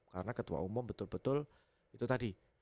karena ketua umum betul betul itu tadi